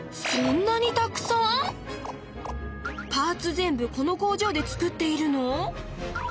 全部この工場で作っているの？